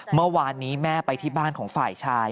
เมื่อวานนี้แม่ไปที่บ้านของฝ่ายชาย